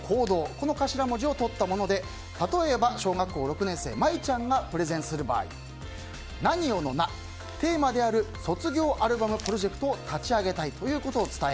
この頭文字をとったもので例えば、小学校６年生まいちゃんがプレゼンする場合「何を」の「な」、テーマである卒業アルバムプロジェクトを立ち上げたいということを伝え